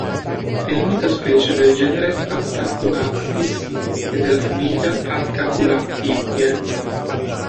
È l'unica specie del genere Halcampulactis e della famiglia Halcampulactidae.